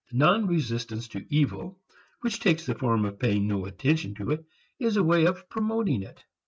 Non resistance to evil which takes the form of paying no attention to it is a way of promoting it.